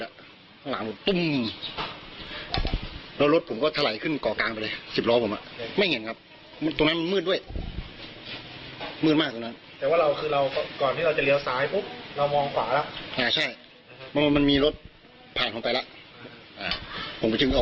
ใช่มันมีรถผ่านเข้าไปแล้วผมก็ชิงออกไปไงผมไม่แน่ใจว่ามันไม่มีรถมาแล้ว